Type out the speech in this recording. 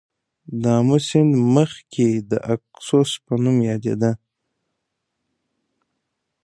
د آمو سیند مخکې د آکوسس په نوم یادیده.